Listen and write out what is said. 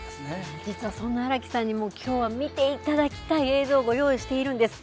実はそんな荒木さんにも今日は見ていただきたい映像ご用意しているんです。